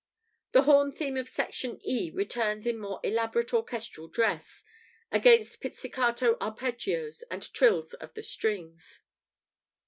" [The horn theme of section E returns in more elaborate orchestral dress, against pizzicato arpeggios and trills in the strings.